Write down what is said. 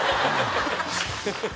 ハハハハ！